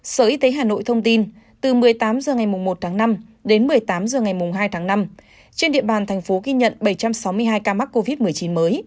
sở y tế hà nội thông tin từ một mươi tám h ngày một tháng năm đến một mươi tám h ngày hai tháng năm trên địa bàn thành phố ghi nhận bảy trăm sáu mươi hai ca mắc covid một mươi chín mới